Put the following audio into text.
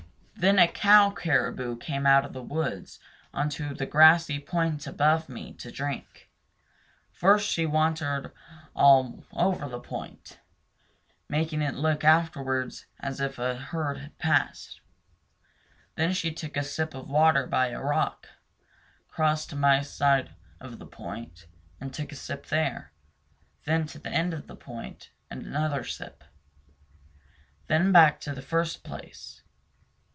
Then a cow caribou came out of the woods onto the grassy point above me to drink. First she wandered all over the point, making it look afterwards as if a herd had passed. Then she took a sip of water by a rock, crossed to my side of the point, and took a sip there; then to the end of the point, and another sip; then back to the first place.